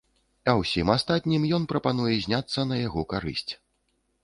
А ўсім астатнім ён прапануе зняцца на яго карысць.